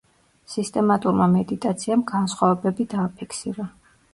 სისტემატურმა მედიტაციამ განსხვავებები დააფიქსირა.